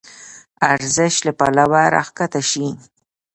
ارزش له پلوه راکښته شي.